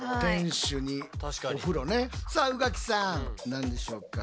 さあ宇垣さん何でしょうか？